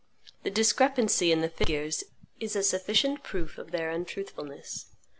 The discrepancy in the figures is a sufficient proof of their untruthfulness.